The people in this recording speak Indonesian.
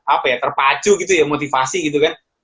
apa ya terpacu gitu ya motivasi gitu kan